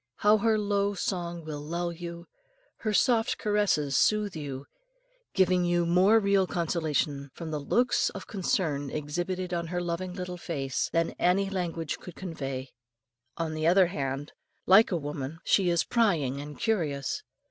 How her low song will lull you, her soft caresses soothe you, giving you more real consolation from the looks of concern exhibited on her loving little face, than any language could convey. On the other hand, like a woman, she is prying and curious.